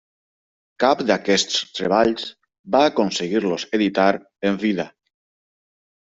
Cap d'aquests treballs va aconseguir-los editar en vida.